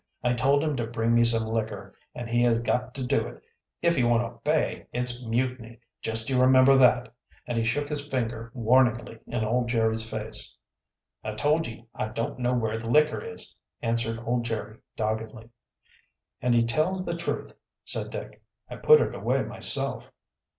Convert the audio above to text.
I told him to bring me some liquor, and he has got to do it. If he won't obey, it's mutiny, just you remember that!" And he shook his finger warningly in old Jerry's face. "I told ye I don't know where the liquor is," answered old Jerry doggedly. "And he tells the truth," said Dick. "I put it away myself."